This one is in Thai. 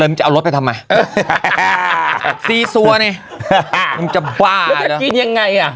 มึงจะเอารถไปทำไมซีซัวเนี้ยมึงจะบ้าแล้วกินยังไงอ่ะ